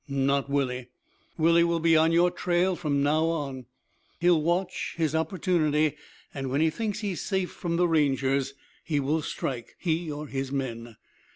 Not Willie! Willie will be on your trail from now on. He will watch his opportunity and when he thinks he is safe from the Rangers he will strike he or his men.